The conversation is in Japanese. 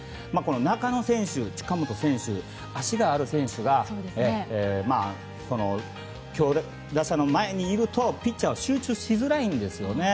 中野選手、近本選手足がある選手が強打者の前にいるとピッチャーは集中しづらいんですよね。